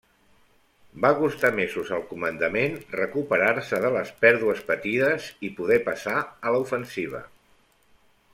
Va costar mesos al Comandament recuperar-se de les pèrdues patides i poder passar a l'ofensiva.